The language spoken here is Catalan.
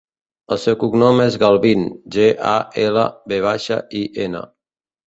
El seu cognom és Galvin: ge, a, ela, ve baixa, i, ena.